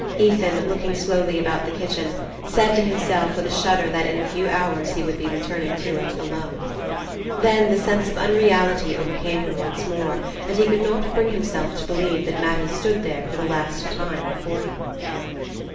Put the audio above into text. Ethan, looking slowly about the kitchen, said to himself with a shudder that in a few hours he would be returning to it alone. Then the sense of unreality overcame him once more, and he could not bring himself to believe that Mattie stood there for the last time before him.